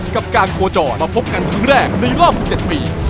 กับการโคจรมาพบกันครั้งแรกในรอบ๑๗ปี